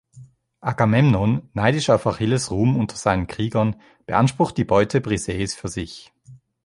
Agamemnon, neidisch auf Achilles’ Ruhm unter seinen Kriegern, beansprucht die "Beute" Briseis für sich.